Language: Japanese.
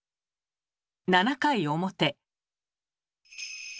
７回表。